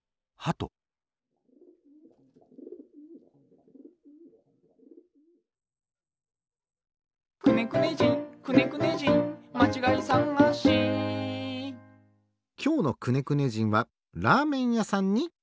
きょうのくねくね人はラーメンやさんにきています。